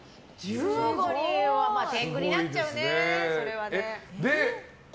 １５人は天狗になっちゃうね。